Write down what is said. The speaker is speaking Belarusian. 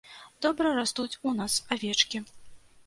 Добра растуць у нас авечкі.